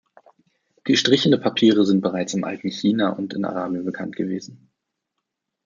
Gestrichene Papiere sind bereits im alten China und in Arabien bekannt gewesen.